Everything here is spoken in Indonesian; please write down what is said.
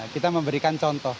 kita memberikan contoh